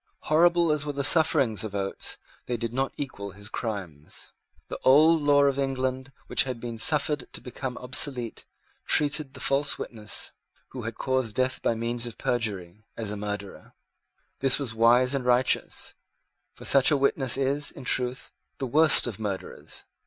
Horrible as were the sufferings of Oates, they did not equal his crimes. The old law of England, which had been suffered to become obsolete, treated the false witness, who had caused death by means of perjury, as a murderer. This was wise and righteous; for such a witness is, in truth, the worst of murderers.